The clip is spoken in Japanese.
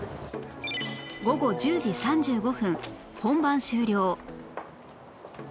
午後１０時３５分本番終了